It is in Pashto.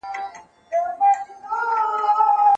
انګلیسي سرتیري د یرغمل نیولو په وخت کې بې وسه شول.